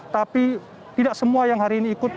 tapi tidak semua yang hari ini ikut